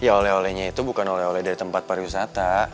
ya oleh olehnya itu bukan oleh oleh dari tempat pariwisata